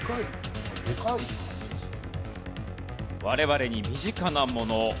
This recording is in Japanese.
我々に身近なもの。